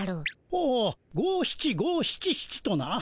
ほう五七五七七とな。